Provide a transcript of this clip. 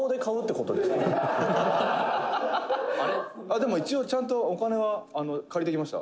「でも、一応、ちゃんとお金は借りてきました」